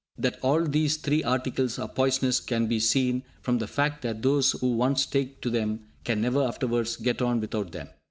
That all these three articles are poisonous can be seen from the fact that those who once take to them can never afterwards get on without them.